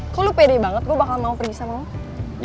kok lo pede banget gue bakal mau pergi sama mama